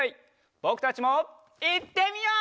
ぼくたちもいってみよう！